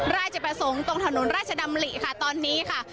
ราชประสงค์ตรงถนนราชดำริค่ะตอนนี้ค่ะ